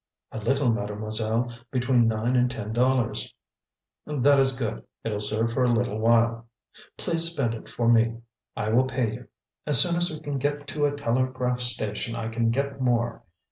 "A little, Mademoiselle; between nine and ten dollars." "That is good; it will serve for a little while. Please spend it for me; I will pay you. As soon as we can get to a telegraph station I can get more.